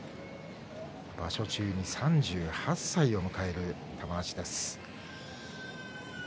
場所中に３８歳を迎える玉鷲です。